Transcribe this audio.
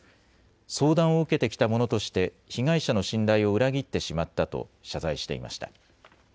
相談を受けてきた者として、被害者の信頼を裏切ってしまったと謝罪していました。